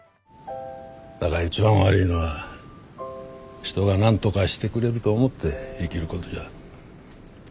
だが一番悪いのは人が何とかしてくれると思って生きることじゃ。